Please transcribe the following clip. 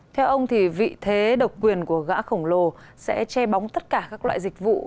theo ông thì vị thế độc quyền của gã khổng lồ sẽ che bóng tất cả các loại dịch vụ